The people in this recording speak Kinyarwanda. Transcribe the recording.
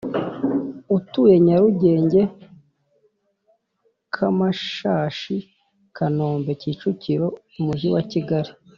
Utuye nyarugenge kamashashikanombe kicukiro umujyi wa kigali